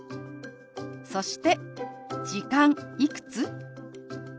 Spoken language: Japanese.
そして「時間」「いくつ？」。